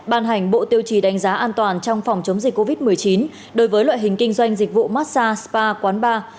ban hành bộ tiêu chí đánh giá an toàn trong phòng chống dịch covid một mươi chín đối với loại hình kinh doanh dịch vụ massage spa quán bar